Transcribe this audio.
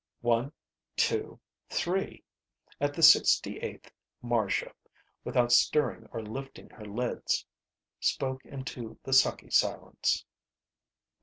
One two three At the sixty eighth, Marcia, without stirring or lifting her lids, spoke into the sucky silence.